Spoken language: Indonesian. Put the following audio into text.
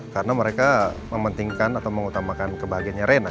karena mereka mementingkan atau mengutamakan kebahagiaannya rena